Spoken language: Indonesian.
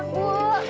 pak jamu pak